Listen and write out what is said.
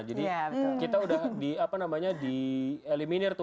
jadi kita udah di apa namanya di eliminir tuh